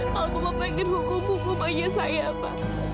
kalau bapak ingin hukum hukum hanya saya pak